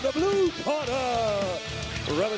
สร้างการที่กระทะนัก